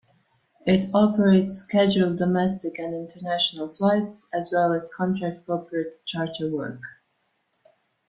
It operates scheduled domestic and international flights, as well as contract corporate charter work.